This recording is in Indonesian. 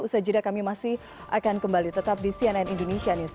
usha jidah kami masih akan kembali tetap di cnn indonesia newscast